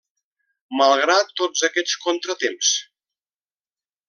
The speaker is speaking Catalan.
Malgrat tots aquests contratemps.